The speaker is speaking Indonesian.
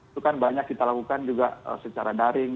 itu kan banyak kita lakukan juga secara daring